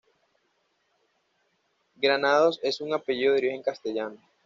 Granados es un apellido de origen castellano.